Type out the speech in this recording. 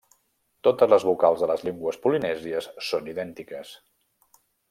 Totes les vocals de les llengües polinèsies són idèntiques.